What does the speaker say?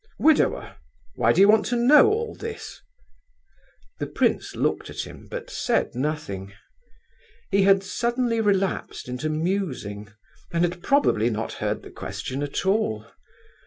"Widower. Why do you want to know all this?" The prince looked at him, but said nothing. He had suddenly relapsed into musing, and had probably not heard the question at all.